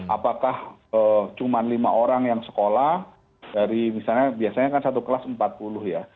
apakah cuma lima orang yang sekolah dari misalnya biasanya kan satu kelas empat puluh ya